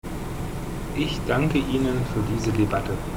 Ich danke Ihnen für diese Debatte.